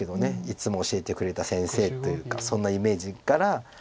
いつも教えてくれた先生というかそんなイメージから。